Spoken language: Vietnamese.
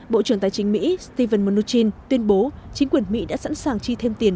thủ tướng tài chính mỹ steven mnuchin tuyên bố chính quyền mỹ đã sẵn sàng chi thêm tiền